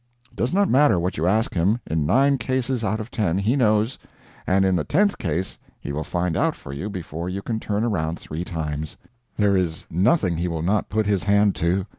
It does not matter what you ask him: in nine cases out of ten he knows, and in the tenth case he will find out for you before you can turn around three times. There is nothing he will not put his hand to.